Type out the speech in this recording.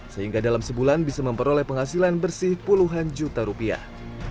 sehingga dalam sebulan bisa memperoleh penghasilan bersih puluhan juta rupiah